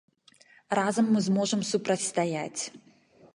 Разам мы зможам супрацьстаяць.